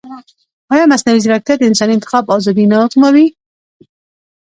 ایا مصنوعي ځیرکتیا د انساني انتخاب ازادي نه ازموي؟